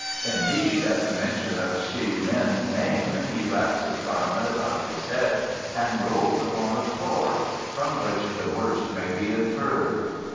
Indeed, at the mention of Hsi Min's name he wraps his garment about his head and rolls upon the floor from which the worst may be inferred.